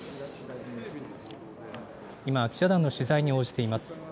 今、記者団の取材に応じています。